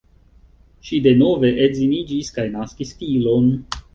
Ŝi denove edziniĝis kaj naskis filon.